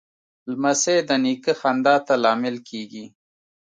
لمسی د نیکه خندا ته لامل کېږي.